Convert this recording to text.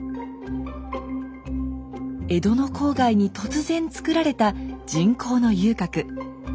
江戸の郊外に突然つくられた人工の遊郭。